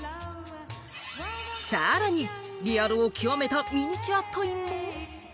さらにリアルを極めたミニチュアトイも。